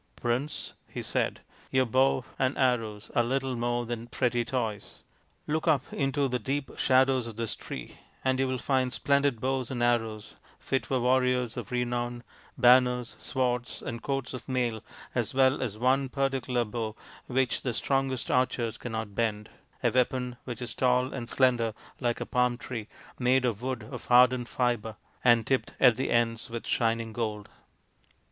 " Prince/' he said, " your bow and arrows are little more than pretty toys. Look up into the deep shadows of this tree and you will find splendid bows and arrows fit for warriors of renown, banners, swords, and coats of mail, as well as one particular bow which the strongest archers cannot bend, a weapon which is tall and slender like a palm tree, made of wood of hardened fibre, and tipped at the ends with shining gold."